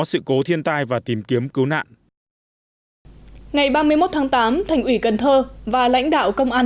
sự cố thiên tai và tìm kiếm cứu nạn ngày ba mươi một tháng tám thành ủy cần thơ và lãnh đạo công an